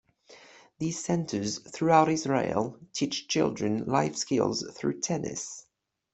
These Centers throughout Israel teach children life skills through tennis.